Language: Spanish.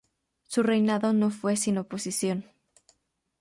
Su reinado no fue sin oposición.